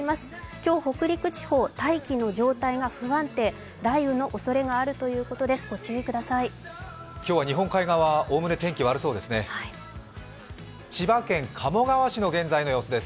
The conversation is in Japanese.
今日、北陸地方、待機の状態が不安定、雷雨のおそれがあるということです。